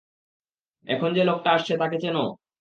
এখন যে লোকটা আসছে তাকে চেনো?